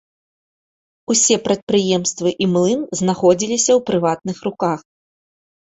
Усе прадпрыемствы і млын знаходзіліся ў прыватных руках.